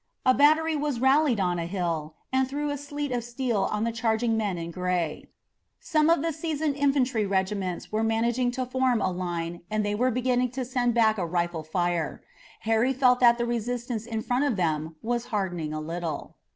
A battery was rallied on a hill and threw a sleet of steel on the charging men in gray. Some of the seasoned infantry regiments were managing to form a line and they were beginning to send back a rifle fire. Harry felt that the resistance in front of them was hardening a little.